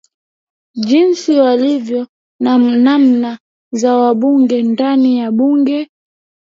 jinsi walivyo na namba za wabunge ndani ya bunge